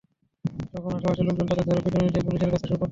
তখন আশপাশের লোকজন তাঁদের ধরে পিটুনি দিয়ে পুলিশের কাছে সোপর্দ করেন।